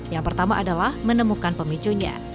yang pertama adalah menemukan pemicunya